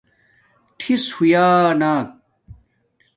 ٹِھس ھویانݣ